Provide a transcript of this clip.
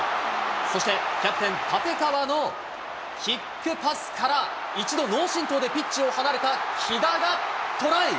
そしてキャプテン、立川のキックパスから、一度、脳震とうでピッチを離れた木田がトライ。